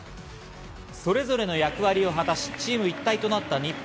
それぞれの役割を果たし、チーム一体となった日本。